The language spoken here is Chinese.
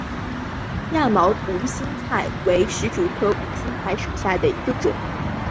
亚毛无心菜为石竹科无心菜属下的一个种。